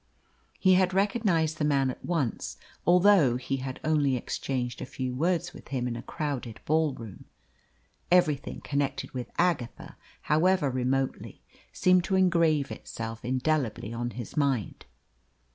He had recognised the man at once, although he had only exchanged a few words with him in a crowded ball room. Everything connected with Agatha, however remotely, seemed to engrave itself indelibly on his mind.